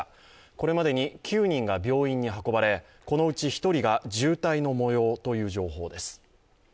これまでに９人が病院に運ばれこのうち１人が重体のもようという情報です。